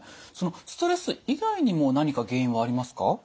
そのストレス以外にも何か原因はありますか？